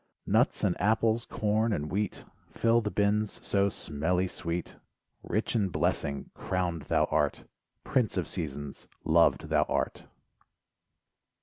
Nuts and apples, corn and wheat, Fill the bins so smelly sweet, Rich in blessing, crowned thou art, Prince of seasons, loved thou art.